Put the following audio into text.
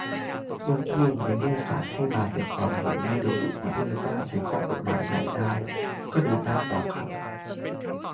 ยอดเยี่ยม ในเมื่อศาลให้มาแต่ความเห็น ไม่ระบุมาด้วยว่าใช้ข้อกฎหมายไหนได้ ก็เดินหน้าต่อครับ